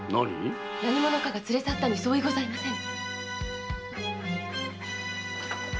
何者かが連れさったに相違ございません。